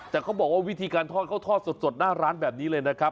แต่เขาบอกว่าวิธีการทอดเขาทอดสดหน้าร้านแบบนี้เลยนะครับ